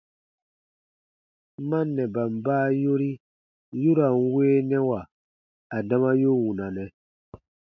Mannɛban baa yori yu ra n weenɛwa adama yu wunanɛ.